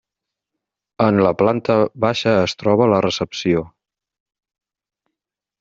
En la planta baixa es troba la recepció.